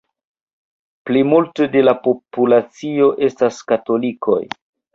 Plimulto de la populacio estas katolikoj.